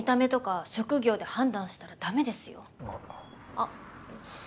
あっ。